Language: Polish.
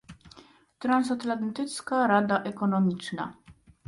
Transatlantycka Rada Ekonomiczna